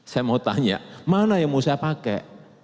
saya mau tanya mana yang mau saya pakai